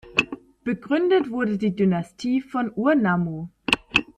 Begründet wurde die Dynastie von Ur-Nammu.